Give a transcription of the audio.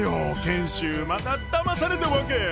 賢秀まただまされたわけ！